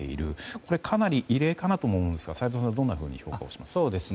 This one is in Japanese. これはかなり異例かなと思うんですが斎藤さんはどんなふうに評価していますか。